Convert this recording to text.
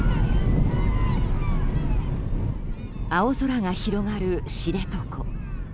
青空が広がる知床。